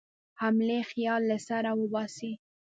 حملې خیال له سره وباسي.